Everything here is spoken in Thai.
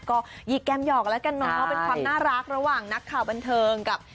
ก็หยิกแก้มหยอกแล้วกันเนาะเป็นความน่ารักระหว่างนักข่าวบันเทิงกับ